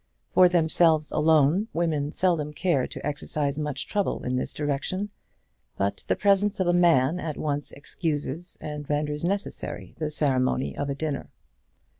For themselves alone women seldom care to exercise much trouble in this direction; but the presence of a man at once excuses and renders necessary the ceremony of a dinner.